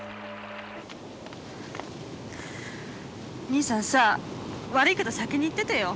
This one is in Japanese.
にいさんさ悪いけど先に行っててよ。